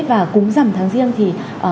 và cúng giảm tháng riêng thì